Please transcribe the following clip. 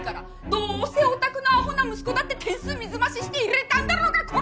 どうせおたくのアホな息子だって点数水増しして入れたんだろうがコラ！